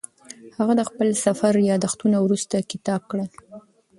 هغه د خپل سفر یادښتونه وروسته کتاب کړل.